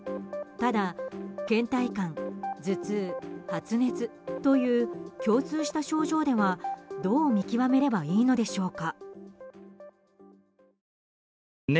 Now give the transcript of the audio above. ただ、倦怠感、頭痛、発熱という共通した症状ではどう見極めればいいのでしょうか？